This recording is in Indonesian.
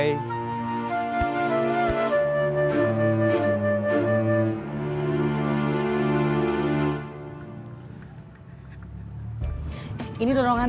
ini dorongannya kang